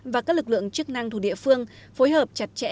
và các lực lượng chức năng thuộc địa phương phối hợp chặt chẽ